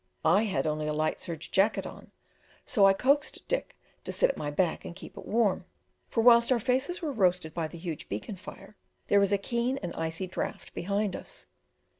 I had only a light serge jacket on, so I coaxed Dick to sit at my back and keep it warm; for, whilst our faces were roasted by the huge beacon fire, there was a keen and icy draught behind us.